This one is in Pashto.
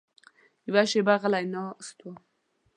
یوه شېبه غلی ناست وم.